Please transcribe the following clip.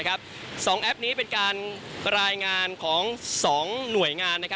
๒แอปนี้เป็นการรายงานของ๒หน่วยงาน